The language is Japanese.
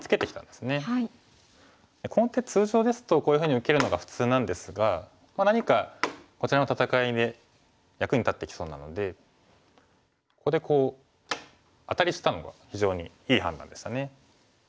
この手通常ですとこういうふうに受けるのが普通なんですが何かこちらの戦いで役に立ってきそうなのでここでこうアタリしたのが非常にいい判断でしたね。